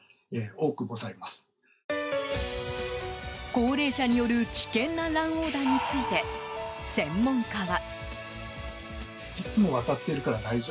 高齢者による危険な乱横断について専門家は？